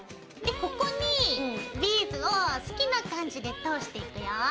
でここにビーズを好きな感じで通していくよ。